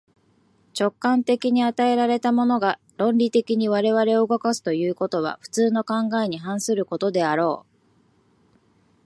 直観的に与えられたものが、論理的に我々を動かすというのは、普通の考えに反することであろう。